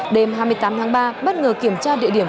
đêm hai mươi tám tháng ba bất ngờ kiểm tra địa điểm